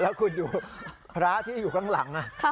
แล้วคุณดูพระที่อยู่ข้างหลัง